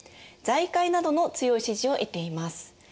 財界などの強い支持を得ています。